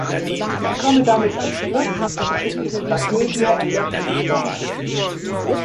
Ich komme damit zum Schluss, es ist die Tragödie erloschener Sterne.